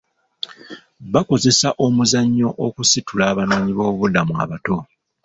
Bakozesa omuzannyo okusitula abanoonyiboobubudamu abato.